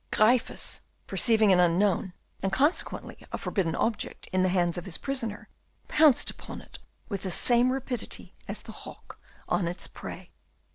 Gryphus, perceiving an unknown and consequently a forbidden object in the hands of his prisoner, pounced upon it with the same rapidity as the hawk on its prey.